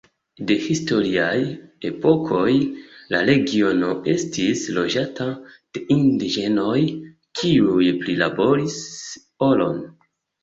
De historiaj epokoj la regiono estis loĝata de indiĝenoj kiuj prilaboris oron.